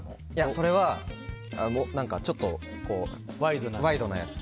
それはちょっとワイドなやつ。